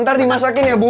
ntar dimasakin ya bu